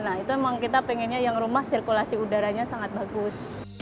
nah itu memang kita pengennya yang rumah sirkulasi udaranya sangat bagus